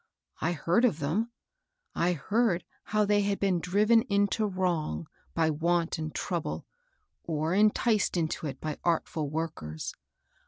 I heard of them, — I heard how they had been driven into wrong by want and trouble, or enticed into it by artful workers.